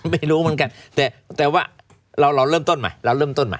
ไม่รู้เหมือนกันแต่ว่าเราเริ่มต้นใหม่